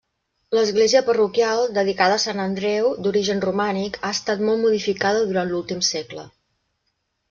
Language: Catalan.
L'església parroquial, dedicada a Sant Andreu, d'origen romànic, ha estat molt modificada durant l'últim segle.